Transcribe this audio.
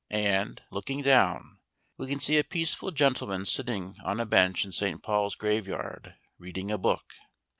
And, looking down, we can see a peaceful gentleman sitting on a bench in St. Paul's graveyard, reading a book.